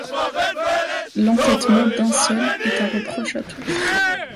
L'entêtement d'un seul est un reproche à tous.